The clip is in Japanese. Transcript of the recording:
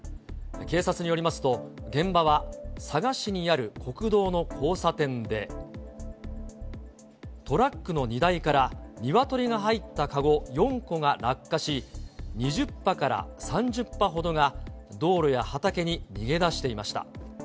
警察によりますと、現場は佐賀市にある国道の交差点で、トラックの荷台から、ニワトリが入った籠４個が落下し、２０羽から３０羽ほどが、道路や畑に逃げ出していました。